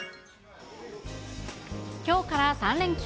きょうから３連休。